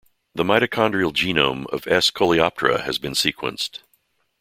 The mitochondrial genome of "S. coleoptrata" has been sequenced.